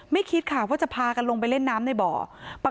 คิดค่ะว่าจะพากันลงไปเล่นน้ำในบ่อ